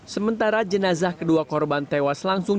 sementara jenazah kedua korban tewas langsung